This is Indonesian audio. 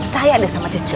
percaya deh sama cece